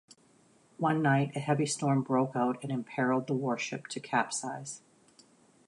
One night, a heavy storm broke out and imperiled the warship to capsize.